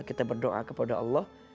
kita berdoa kepada allah